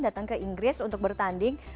datang ke inggris untuk bertanding